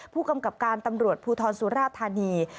ผู้กำกับการตำรวจภูทรสุราธานี